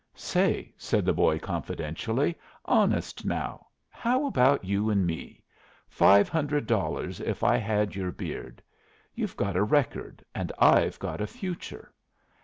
"Say," said the boy, confidentially "honest now. How about you and me? Five hundred dollars if I had your beard. You've got a record and I've got a future.